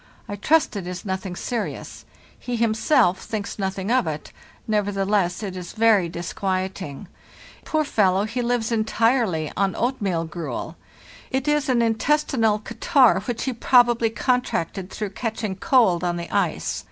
I trust it is nothing serious; he himself thinks nothing of it, nevertheless it is very disquieting. Poor fellow, he lives entirely on oat meal gruel. It is an intestinal catarrh, which he probably contracted through catching cold on the ice.